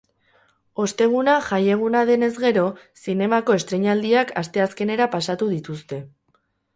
Osteguna jaieguna denez gero, zinemako estreinaldiak asteazkenera pasatu dituzte.